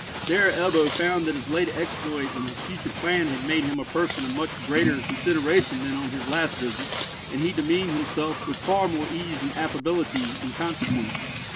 There Ebbo found that his late exploit and his future plan had made him a person of much greater consideration than on his last visit, and he demeaned himself with far more ease and affability in consequence.